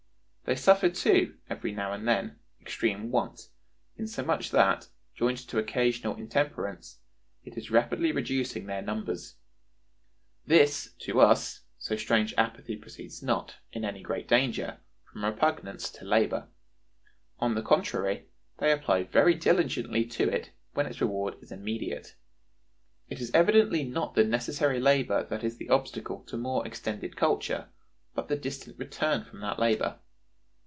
They suffer, too, every now and then, extreme want, insomuch that, joined to occasional intemperance, it is rapidly reducing their numbers. This, to us, so strange apathy proceeds not, in any great degree, from repugnance to labor; on the contrary, they apply very diligently to it when its reward is immediate. It is evidently not the necessary labor that is the obstacle to more extended culture, but the distant return from that labor.